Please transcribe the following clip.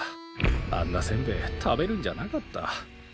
あんなせんべい食べるんじゃなかった。